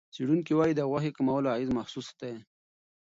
څېړونکي وايي، د غوښې کمولو اغېز محسوس دی.